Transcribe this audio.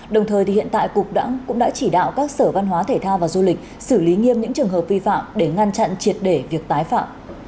đồng thời hiện tại cục cũng đã chỉ đạo các sở văn hóa thể thao và du lịch xử lý nghiêm những trường hợp vi phạm để ngăn chặn triệt để việc tái phạm